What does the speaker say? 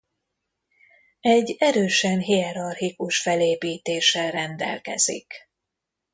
Egy erősen hierarchikus felépítéssel rendelkezik.